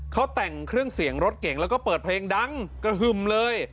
เขาแต่งเครื่องเสียงรถเก่งแล้วก็เปิดเพลงดังกระหึ่มเลย